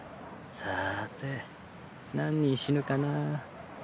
さて何人死ぬかな？